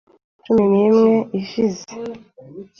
iminsi cumi numwe ishize